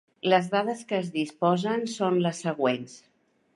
Les dades que es disposen són les següents.